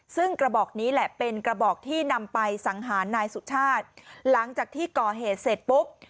ซึ่งกระบอกนี้แหละเป็นกระบอกที่นำไปสังหารนายสุชาติหลังจากที่ก่อเหตุเสร็จปุ๊บ